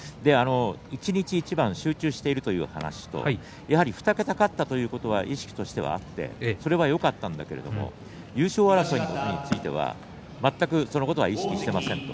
一日一番、集中しているという話と２桁勝つということは意識としてはあったそれはよかったが優勝争いについては全くそのことは意識していません